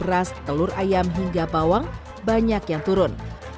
beras telur ayam hingga bawang banyak yang turun